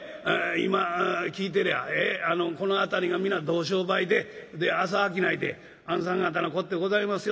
今聞いてりゃこの辺りが皆同商売で朝商いであんさん方のこってございます